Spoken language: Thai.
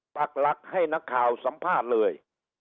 ปากหลักให้นักข่าวสัมภาษณ์เลย